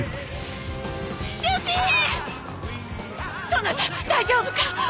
そなた大丈夫か！？